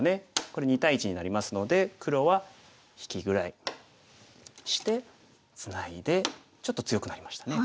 これ２対１になりますので黒は引きぐらいしてツナいでちょっと強くなりましたね。